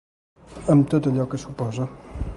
Amb tot allò que suposa.